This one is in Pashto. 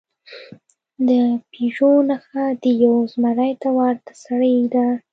د پېژو نښه د یو زمري ته ورته سړي ده.